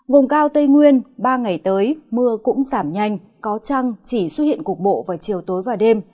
vùng cao tây nguyên ba ngày tới mưa cũng giảm nhanh có trăng chỉ xuất hiện cục bộ vào chiều tối và đêm